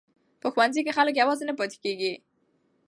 په ښوونځي کې خلک یوازې نه پاتې کیږي.